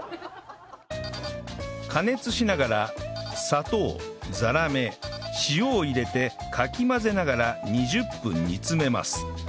加熱しながら砂糖ザラメ塩を入れてかき混ぜながら２０分煮詰めます